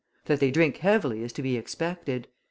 That they drink heavily is to be expected.